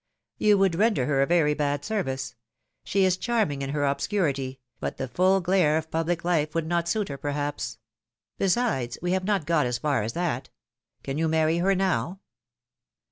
^' '^You would render her a very bad service. She is charming in her obscurity, but the full glare of public life would not suit her, perhaps. Besides, we have not got as far as that. Can you marry her now?"